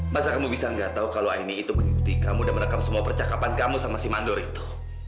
masa kamu bisa nggak tahu kalau ini itu mengikuti kamu dan merekam semua percakapan kamu sama si mandor itu